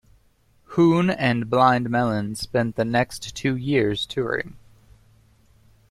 Hoon and Blind Melon spent the next two years touring.